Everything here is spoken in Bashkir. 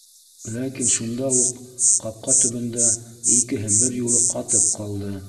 Ләкин шунда уҡ, ҡапҡа төбөндә, икеһе бер юлы ҡатып ҡалды.